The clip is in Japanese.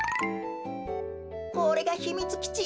これがひみつきち？